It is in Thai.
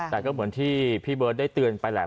แต่ก็เหมือนที่พี่เบิร์ตได้เตือนไปแหละ